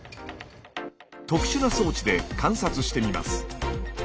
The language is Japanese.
特殊な装置で観察してみます。